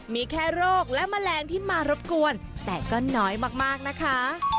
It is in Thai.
มีแค่โรคและแมลงที่มารบกวนแต่ก็น้อยมากนะคะ